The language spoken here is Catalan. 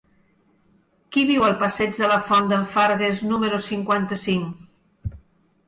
Qui viu al passeig de la Font d'en Fargues número cinquanta-cinc?